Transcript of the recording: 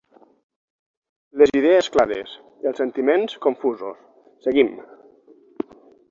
Les idees clares; els sentiments confusos. Seguim.